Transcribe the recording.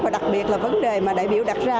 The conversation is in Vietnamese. và đặc biệt là vấn đề mà đại biểu đặt ra